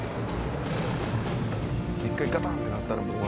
一回ガタンってなったらもう終わりやもん。